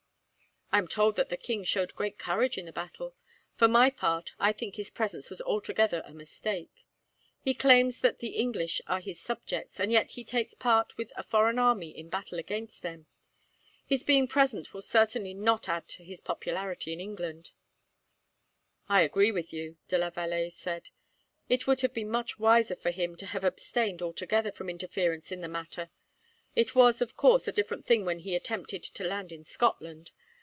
"I am told that the king showed great courage in the battle. For my part, I think his presence was altogether a mistake. He claims that the English are his subjects, and yet he takes part with a foreign army in battle against them. His being present will certainly not add to his popularity in England." "I agree with you," de la Vallee said. "It would have been much wiser for him to have abstained, altogether, from interference in the matter. It was, of course, a different thing when he attempted to land in Scotland.